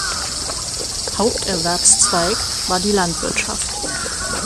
Haupterwerbszweig war die Landwirtschaft.